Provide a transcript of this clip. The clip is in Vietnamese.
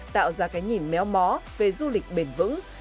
tạo ra cái nhìn méo mó về du lịch bền vững